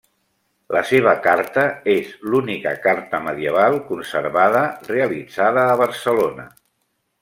La seva carta és l'única carta medieval conservada realitzada a Barcelona.